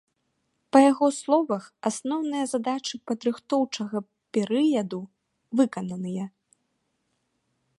Па яго словах, асноўныя задачы падрыхтоўчага перыяду выкананыя.